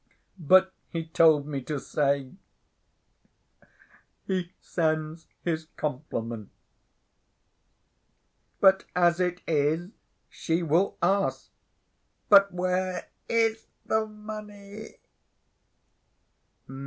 But he told me to say "he sends his compliments." ' But, as it is, she will ask, 'But where is the money?